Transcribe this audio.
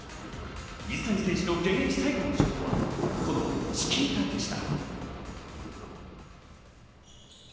水谷選手の現役最後のショットは、このチキータでした。